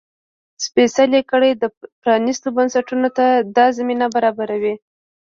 سپېڅلې کړۍ پرانيستو بنسټونو ته دا زمینه برابروي.